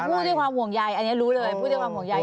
พูดด้วยความห่วงใยอันนี้รู้เลยพูดด้วยความห่วงใย